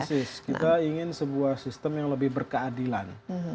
persis kita ingin sebuah sistem yang lebih berkeadilan